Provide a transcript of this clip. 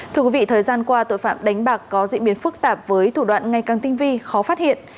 thưa quý vị thời gian qua tội phạm đánh bạc có diễn biến phức tạp với thủ đoạn ngày càng tinh vi khó phát hiện